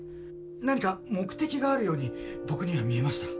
何か目的があるように僕には見えました。